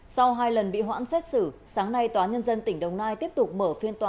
sau hai lần bị hoãn xét xử sáng nay tòa nhân dân tỉnh đồng nai tiếp tục mở phiên tòa